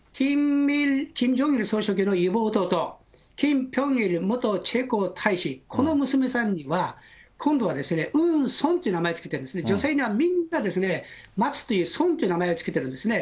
キム・ジョンイル総書記の妹と、キム・ピョンイル元チェコ大使、この娘さんには、今度はウンソンという名前を付けてるんですね、女性にはみんな、松という、ソンという名前を付けてるんですね。